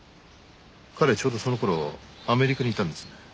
彼ちょうどその頃アメリカにいたんですね。